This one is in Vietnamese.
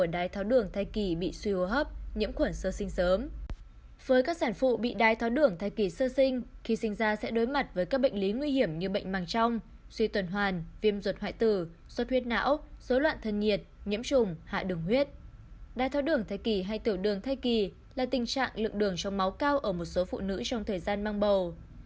đai thói đường thai kỳ hay tiểu đường thai kỳ là tình trạng lượng đường trong máu cao ở một số phụ nữ trong thời gian mang bầu